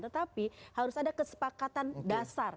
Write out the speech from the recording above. tetapi harus ada kesepakatan dasar